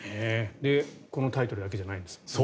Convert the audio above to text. このタイトルだけじゃないんですね。